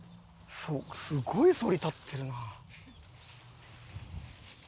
すごい反り立ってるな。